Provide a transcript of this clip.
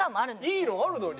いいのあるのに。